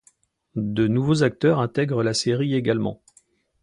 De nouveaux acteurs intègres la série également.